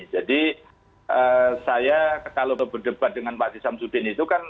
jadi saya kalau berdebat dengan pak aziz samsudin itu kan